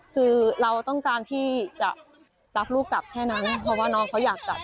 คือเราต้องการที่จะรับลูกกลับแค่นั้นเพราะว่าน้องเขาอยากกลับ